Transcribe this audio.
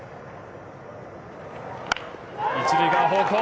１塁側方向。